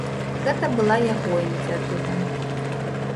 Гэта была яго ініцыятыва.